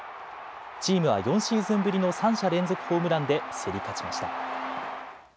チームは４シーズンぶりの３者連続ホームランで競り勝ちました。